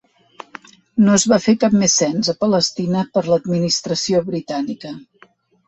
No es va fer cap més cens a Palestina per l'administració britànica.